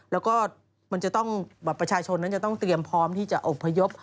แล้วก็ประชาชนจะต้องเตรียมพร้อมที่จะอบพยพ